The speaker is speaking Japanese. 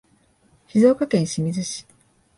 静岡県清水町